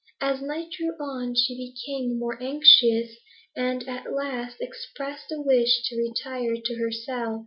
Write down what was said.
As night drew on, she became more anxious, and at last expressed a wish to retire to her cell.